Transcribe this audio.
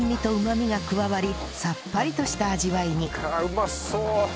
うまそう！